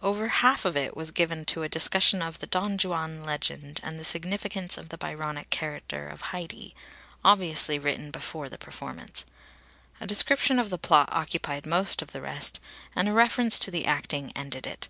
Over half of it was given to a discussion of the Don Juan legend and the significance of the Byronic character of Haidee obviously written before the performance. A description of the plot occupied most of the rest, and a reference to the acting ended it.